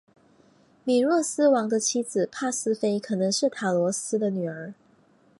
米诺斯王的妻子帕斯菲可能是塔罗斯的女儿。